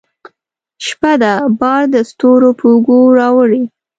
شپه ده بار دستورو په اوږو راوړي